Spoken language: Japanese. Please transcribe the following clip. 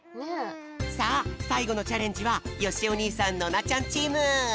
さあさいごのチャレンジはよしお兄さんノナちゃんチーム！